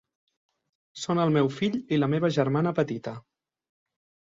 Són el meu fill i la meva germana petita.